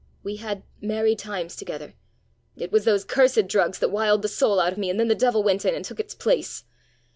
We had merry times together! It was those cursed drugs that wiled the soul out of me, and then the devil went in and took its place!